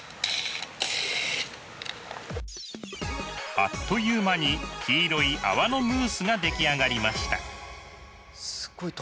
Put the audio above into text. あっという間に黄色い泡のムースが出来上がりました。